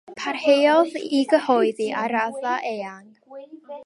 Parhaodd i gyhoeddi ar raddfa eang.